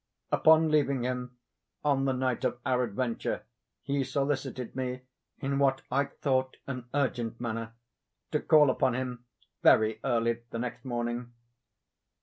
Upon leaving him on the night of our adventure, he solicited me, in what I thought an urgent manner, to call upon him very early the next morning.